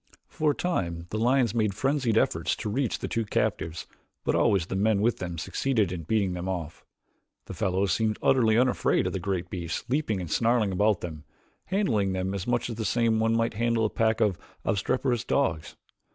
For a time the lions made frenzied efforts to reach the two captives but always the men with them succeeded in beating them off. The fellows seemed utterly unafraid of the great beasts leaping and snarling about them, handling them much the same as one might handle a pack of obstreperous dogs.